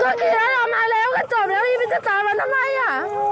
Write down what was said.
ก็คือเรามาแล้วก็จบแล้วพี่มันจะตามมาทำไมอ่ะ